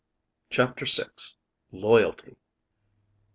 CHAPTER VI. LOYALTY.